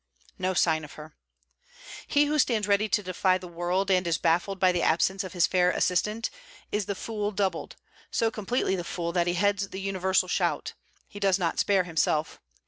No sign of her. He who stands ready to defy the world, and is baffled by the absence of his fair assistant, is the fool doubled, so completely the fool that he heads the universal shout; he does not spare himself.